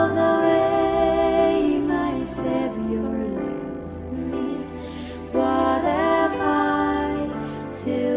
selama tuhan menemani saya